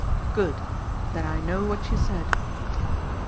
"Good. Then I know what she said."